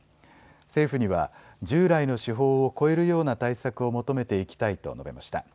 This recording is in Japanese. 政府には従来の手法を超えるような対策を求めていきたいと述べました。